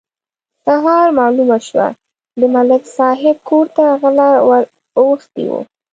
سهار مالومه شوه: د ملک صاحب کور ته غله ور اوښتي وو.